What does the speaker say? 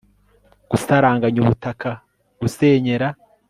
gusaranganya ubutaka, gusenyera